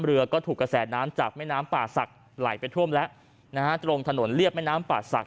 เรือก็ถูกกระแสน้ำจากแม่น้ำป่าศักดิ์ไหลไปท่วมแล้วนะฮะตรงถนนเรียบแม่น้ำป่าศักด